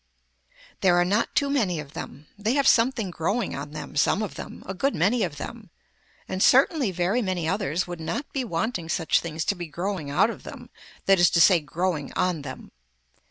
There are not too many of them. They have something growing on them, some of them, a good many of them, and certainly very many others would not be wanting such things to be growing out of them that is to say growing on them.